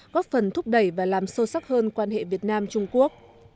góp phần thúc đẩy và làm sâu sắc hơn quan hệ việt nam trung quốc